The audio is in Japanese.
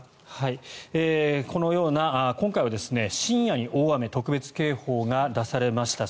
今回は深夜に大雨特別警報が出されました。